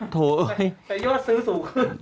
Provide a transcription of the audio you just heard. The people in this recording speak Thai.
แต่โยชน์ซื้อสูงขึ้น